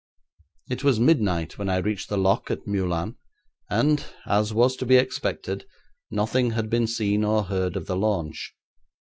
It was midnight when I reached the lock at Meulan, and, as was to be expected, nothing had been seen or heard of the launch.